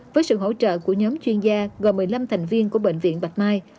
với sự hỗ trợ của nhóm chuyên gia gồm một mươi năm thành viên của bệnh viện bạch mai